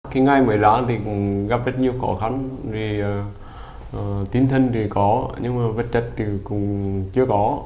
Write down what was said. cái ngày mới ra thì cũng gặp rất nhiều khó khăn về tinh thần thì có nhưng mà vật chất thì cũng chưa có